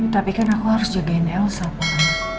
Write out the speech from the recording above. tapi kan aku harus jagain elsa pun